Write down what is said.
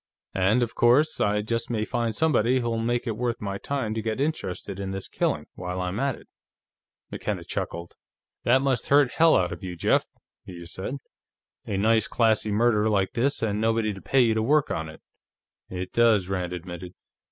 And, of course, I just may find somebody who'll make it worth my time to get interested in this killing, while I'm at it." McKenna chuckled. "That must hurt hell out of you, Jeff," he said. "A nice classy murder like this, and nobody to pay you to work on it." "It does," Rand admitted.